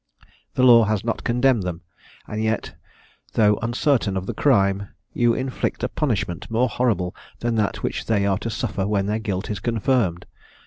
The law has not condemned them; and yet, though uncertain of the crime, you inflict a punishment more horrible than that which they are to suffer when their guilt is confirmed.